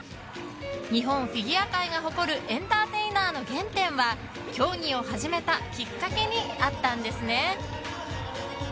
日本フィギュア界が誇るエンターテイナーの原点は競技を始めたきっかけにあったんですね。